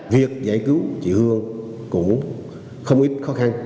việc giải cứu chị hương cũng không ít khó khăn